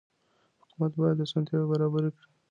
حکومت بايد اسانتياوي برابري کړي.